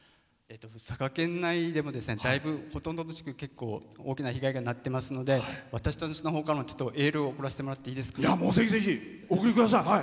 佐賀県内でもほとんどの都市で大きな被害になってますので私たちのほうからもエールを送らせてもらっていいですか？